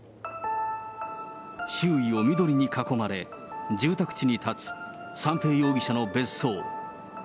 周囲を緑に囲まれ、住宅地に建つ三瓶容疑者の別荘。